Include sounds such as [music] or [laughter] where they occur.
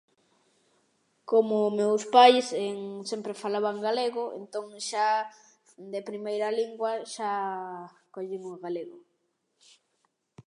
Como meus pais [hesitation] sempre falaban galego entón xa, de primeira lingua, xa collín o galego.